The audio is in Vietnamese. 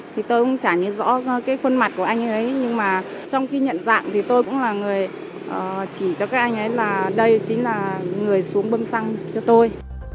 thì tôi cũng chả nhìn rõ cái khuôn mặt của anh ấy nhưng mà trong khi nhận dạng thì tôi cũng là người chỉ cho các anh ấy là đây chính là người xuống bơm xăng cho tôi